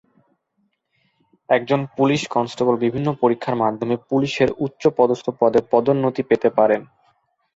একজন police constable বিভিন্ন পরীক্ষার মাধ্যমে পুলিশের উচ্চপদস্থ পদে পদোন্নতি পেতে পারেন।